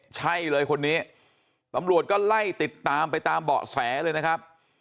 ใช่เลยคนนี้ตำรวจก็ไล่ติดตามไปตามเบาะแสเลยนะครับ